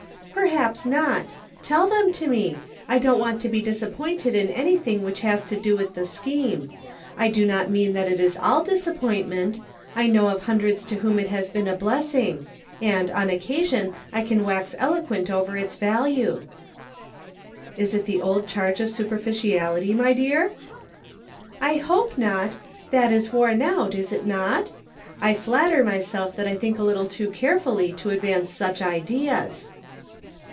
" Perhaps not ; tell them to me ; I don't want to be disappointed in anything which has to do with the scheme. I do not mean that it is all disappoint ment ; I know of hundreds to whom it has been a blessing ; and on occasion I can wax eloquent over its value." " Is it the old charge of superficiality, my dear i* "" I hope not ; that is worn out, is it not .'' I flat ter myself that I think a little too carefully to advance such ideas."